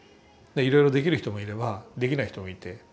いろいろできる人もいればできない人もいて。